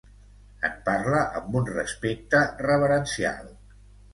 En parla amb un respecte reverencial.